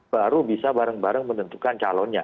baru bisa bareng bareng menentukan calonnya